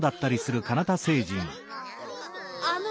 あの。